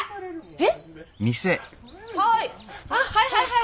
あはいはいはい。